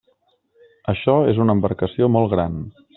Això és una embarcació molt gran.